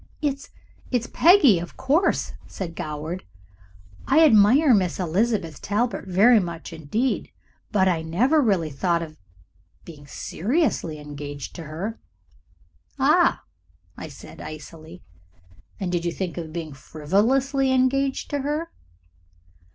"It's it's Peggy, of course," said Goward. "I admire Miss Elizabeth Talbert very much indeed, but I never really thought of being seriously engaged to her." "Ah!" said I, icily. "And did you think of being frivolously engaged to her?"